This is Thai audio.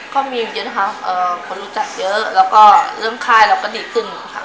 ก็มีเยอะนะคะคนรู้จักเยอะแล้วก็เรื่องค่ายเราก็ดีขึ้นค่ะ